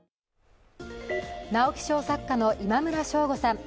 直木賞作家の今村翔吾さん。